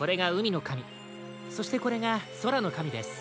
そしてこれがそらのかみです。